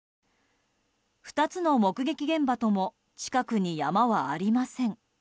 ２つの目撃現場とも近くに山はありません。